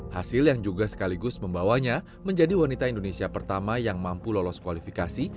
hasil yang juga sekaligus membawanya menjadi wanita indonesia pertama yang mampu lolos kualifikasi